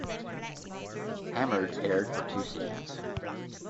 "Hammered" aired for two seasons.